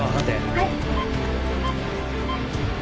はい。